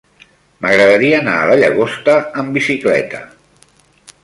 M'agradaria anar a la Llagosta amb bicicleta.